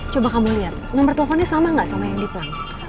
coba kamu lihat nomor teleponnya sama nggak sama yang di plan